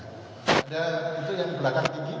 ada itu yang di belakang ini